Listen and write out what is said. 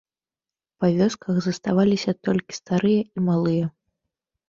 Па вёсках заставаліся толькі старыя і малыя.